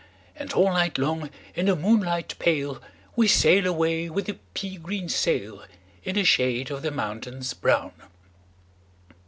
And all night long, in the moonlight pale, We sail away with a pea green sailIn the shade of the mountains brown."